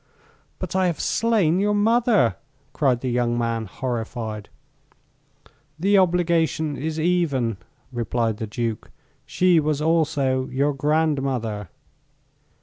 "But I have slain your mother!" cried the young man, horrified. "The obligation is even," replied the duke. "She was also your grandmother."